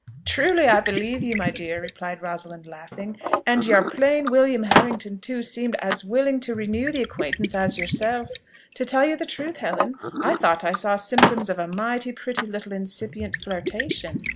"Truly, I believe you, my dear," replied Rosalind, laughing. "And your plain William Harrington, too, seemed as willing to renew the acquaintance as yourself. To tell you the truth, Helen, I thought I saw symptoms of a mighty pretty little incipient flirtation."